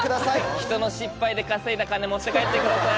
ひとの失敗で稼いだ金持って帰ってください。